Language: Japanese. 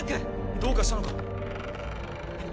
どうかしたのか？